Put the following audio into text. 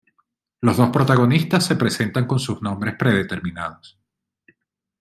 Los dos protagonistas se presentan con sus nombres predeterminados.